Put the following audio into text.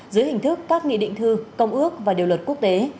dưới hình thức các nghị định thư công ước và điều luật quốc tế